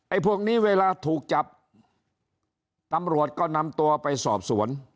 พวกนี้เวลาถูกจับตำรวจก็นำตัวไปสอบสวน